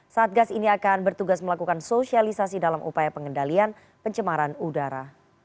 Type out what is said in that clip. satgas ini akan bertugas melakukan sosialisasi dalam upaya pengendalian pencemaran udara